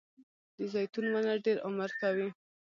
د زیتون ونه ډیر عمر کوي